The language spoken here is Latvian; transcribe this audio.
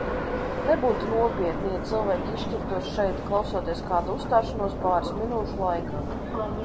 Nebūtu nopietni, ja cilvēki izšķirtos šeit, klausoties kāda uzstāšanos, pāris minūšu laikā.